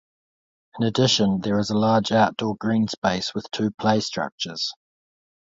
In addition, there is a large outdoor green space with two playstructures.